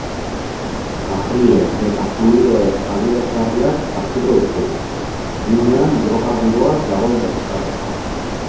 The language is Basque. Harrien eta fluidoen adierazgarriak hartuko ditu, gunean hidrokarburoa dagoen detektatzeko.